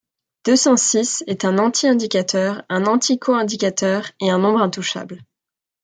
Deux cent-six est un anti-indicateur, un anticoïndicateur et un nombre intouchable.